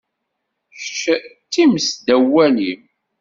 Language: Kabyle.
Kečč d timest ddaw walim.